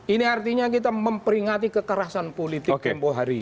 ini artinya kita memperingati kekerasan politik tempoh hari